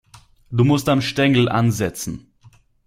Du musst am Stängel ansetzen.